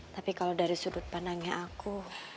tapi kalau dari sudut pandangnya aku